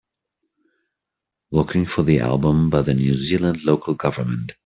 Looking for the album by the New Zealand Local Government